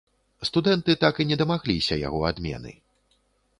Студэнты так і не дамагліся яго адмены.